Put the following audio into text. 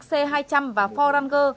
xe xe hai trăm linh và bốn ranger